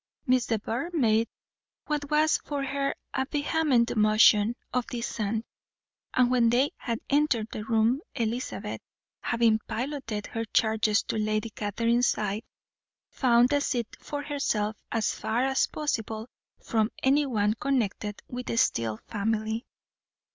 Miss de Bourgh made what was for her a vehement motion of dissent, and when they had entered the room, Elizabeth, having piloted her charges to Lady Catherine's side, found a seat for herself as far as possible from anyone connected with the Steele family.